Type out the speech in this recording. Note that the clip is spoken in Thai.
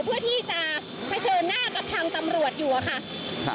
เพื่อที่จะเผชิญหน้ากับทางตำรวจอยู่อะค่ะ